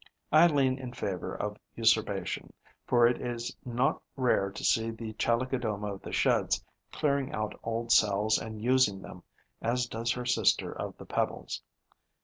I lean in favour of usurpation, for it is not rare to see the Chalicodoma of the Sheds clearing out old cells and using them as does her sister of the Pebbles.